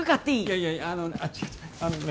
いやいや、あの違う違うあのね